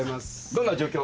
どんな状況？